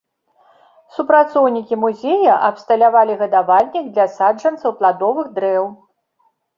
Супрацоўнікі музея абсталявалі гадавальнік для саджанцаў пладовых дрэў.